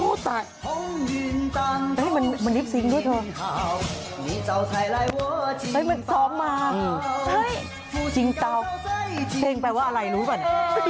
โอ้ตายมันนิปซิ้งด้วยเถอะเฮ้ยมันซ้อมมาเฮ้ยจริงเต้าเพลงแปลว่าอะไรรู้ป่ะเนี่ย